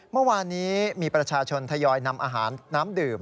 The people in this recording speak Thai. เมื่อวานนี้มีประชาชนทยอยนำอาหารน้ำดื่ม